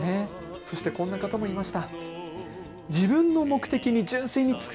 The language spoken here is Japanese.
そして、こんな方もいました。